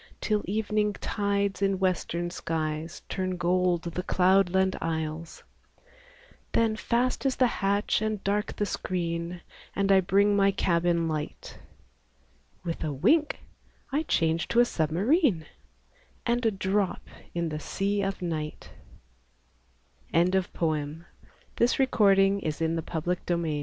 Till evening tides in western skies Turn gold the cloudland isles; Then fast is the hatch and dark the screen. And I bring my cabin light; With a wink I change to a submarine And drop in the sea of Night, WAR IN THE NORTH Not from Mars and not from Thor Come